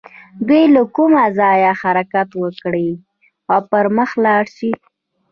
دوی له کوم ځايه حرکت وکړي او پر مخ لاړ شي.